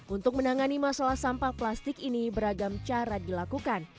untuk menangani masalah sampah plastik ini beragam cara dilakukan